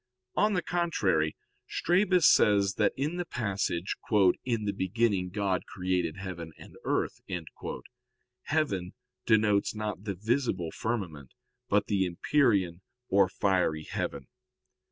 On the contrary, Strabus says that in the passage, "In the beginning God created heaven and earth," heaven denotes not the visible firmament, but the empyrean or fiery heaven.